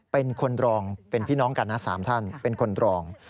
เป็นคนรองเป็นพี่น้องกันนะ๓ท่านเป็นคนรอง